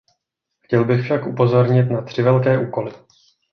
Chtěl bych však upozornit na tři velké úkoly.